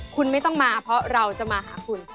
คุณไม่ต้องมาเพราะเราจะมาหาคุณ